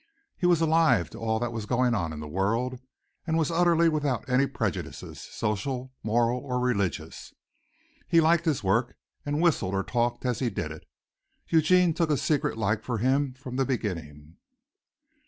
He was alive to all that was going on in the world, and was utterly without any prejudices, social, moral or religious. He liked his work, and whistled or talked as he did it. Eugene took a secret like for him from the beginning.